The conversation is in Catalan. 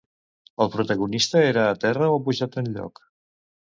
El protagonista era a terra o ha pujat enlloc?